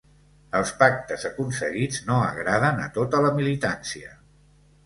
Els pactes aconseguits no agraden a tota la militància